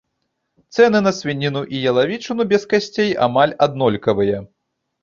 Цэны на свініну і ялавічыну без касцей амаль аднолькавыя.